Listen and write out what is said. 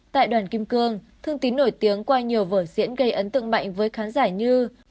tại đoàn kim cương thương tín nổi tiếng qua nhiều vở diễn gây ấn tượng mạnh với khán giả như